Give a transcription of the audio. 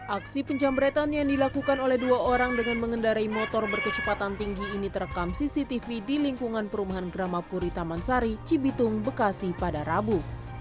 aksi penjambretan yang dilakukan oleh dua orang dengan mengendarai motor berkecepatan tinggi ini terekam cctv di lingkungan perumahan gramapuri taman sari cibitung bekasi pada rabu